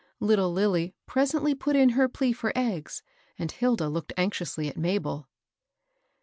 Little Lilly presently put in her plea for eggs, and Hilda looked anxiously at Mabel.